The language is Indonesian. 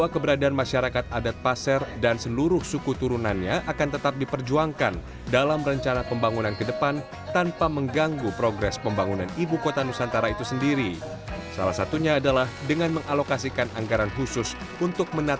kepala masyarakat adat suku pasar balik sibukdin menerima penghargaan dari kepala masyarakat adat suku pasar balik sibukdin